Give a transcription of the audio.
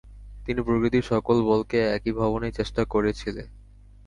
তিনি প্রকৃতির সকল বলকে একীভবনের চেষ্টা করেছিলে।